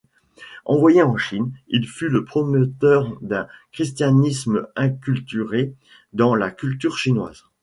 Envoyé en Chine, il fut le promoteur d'un christianisme inculturé dans la culture chinoise.